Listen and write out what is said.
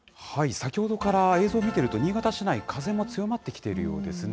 先ほどから映像見ていると、新潟市内、風も強まってきているようですね。